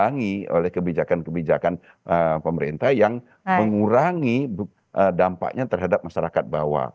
tapi ini sudah diimbangi oleh kebijakan kebijakan pemerintah yang mengurangi dampaknya terhadap masyarakat bawah